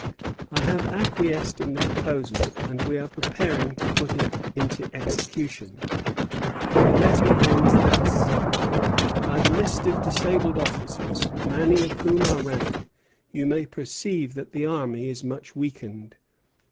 I have acquiesced in the proposal, and we are preparing to put it into execution." The letter ends thus: "By the list of disabled officers, many of whom are of rank, you may perceive that the army is much weakened.